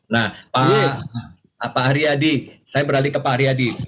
nah pak ariyadi saya beralih ke pak ariyadi